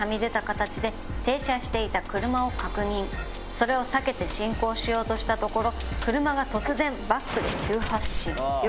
それを避けて進行しようとしたところ。